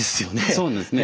そうなんですね。